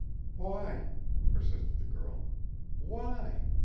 "Why?" persisted the girl. "Why?